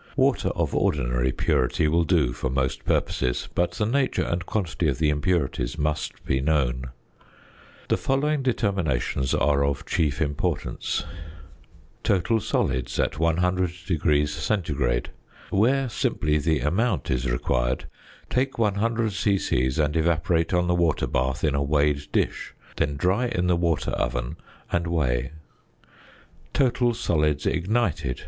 Water of ordinary purity will do for most purposes, but the nature and quantity of the impurities must be known. The following determinations are of chief importance: ~Total Solids at 100° C.~ Where simply the amount is required, take 100 c.c. and evaporate on the water bath in a weighed dish; then dry in the water oven, and weigh. ~Total Solids Ignited.